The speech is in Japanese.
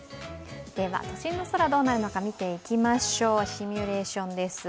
都心の空がどうなるのか見ていきましょう、シミュレーションです。